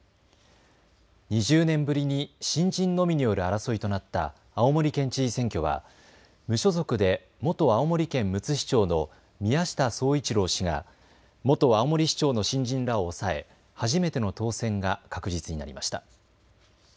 ２０年ぶりに新人のみによる争いとなった青森県知事選挙は無所属で元青森県むつ市長の宮下宗一郎氏が元青森市長の新人らを抑え初めての当選が確実になりました。